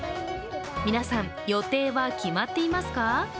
皆さん、予定は決まっていますか？